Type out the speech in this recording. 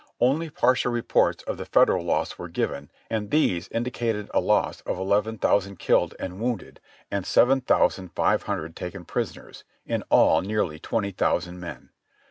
Only partial reports of the Federal loss were given and these indicated a loss of eleven thousand killed and wounded and seven thousand five hundred taken prisoners ; in all nearly twenty thousand men.